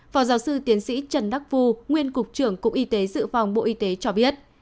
phó giáo sư tiến sĩ trần đắc phu nguyên cục trưởng cục y tế dự phòng bộ y tế cho biết